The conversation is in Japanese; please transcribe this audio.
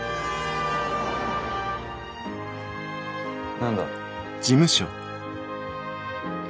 何だ？